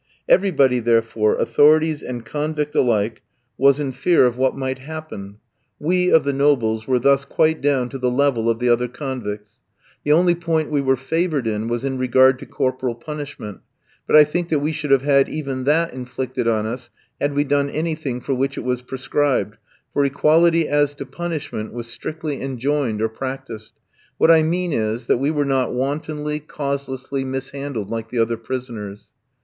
Everybody, therefore, authorities and convicts alike, was in fear of what might happen; we of the nobles were thus quite down to the level of the other convicts; the only point we were favoured in was in regard to corporal punishment but I think that we should have had even that inflicted on us had we done anything for which it was prescribed, for equality as to punishment was strictly enjoined or practised; what I mean is, that we were not wantonly, causelessly, mishandled like the other prisoners.